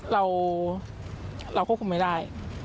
เราควบคุมไม่ได้